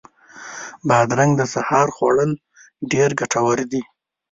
بادرنګ د سهار خوړل ډېر ګټور دي.